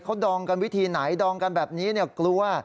เขาดองกันวิธีไหนดองกันแบบนี้กลัว